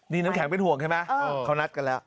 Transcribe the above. นี่น้ำแข็งเป็นห่วงใช่ไหม